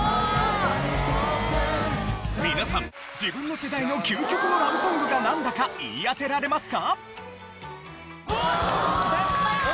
皆さん自分の世代の究極のラブソングがなんだか言い当てられますか？